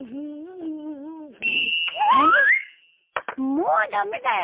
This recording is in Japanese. もう駄目だよ！